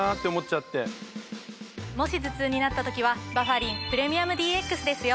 もし頭痛になった時はバファリンプレミアムＤＸですよ。